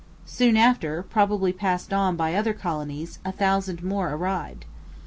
Soon after, probably passed on by other colonies, a thousand more arrived.